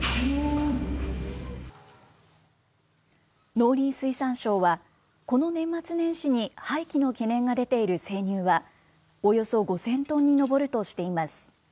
農林水産省は、この年末年始に廃棄の懸念が出ている生乳は、およそ５０００トンに上るとしています。